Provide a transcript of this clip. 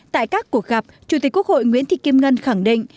tại các cuộc gặp chủ tịch quốc hội nguyễn thị kim ngân khẳng định